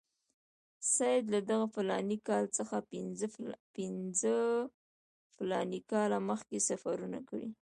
سید له دغه فلاني کال څخه پنځه فلاني کاله مخکې سفرونه کړي.